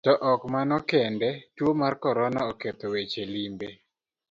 To ok mano kende, tuo mar korona oketho weche limbe.